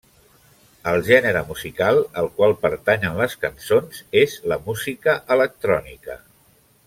El gènere musical al qual pertanyen les cançons és la música electrònica.